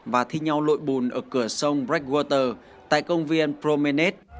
và thi nhau lội bùn ở cửa sông brightwater tại công viên promenade